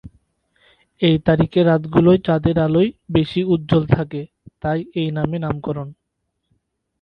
এই তারিখের রাতগুলোয় চাঁদের আলোয় বেশি উজ্জ্বল থাকে; তাই এই নামে নামকরণ।